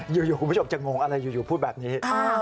คุณผู้ชมจะงงอะไรอยู่พูดแบบนี้